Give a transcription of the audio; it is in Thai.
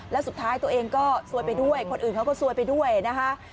แล้วสุดท้ายตัวเองก็ซวยไปด้วยคนอื่นเขาก็ซวยไปด้วยนะคะ